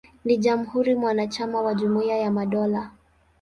Ni jamhuri mwanachama wa Jumuiya ya Madola.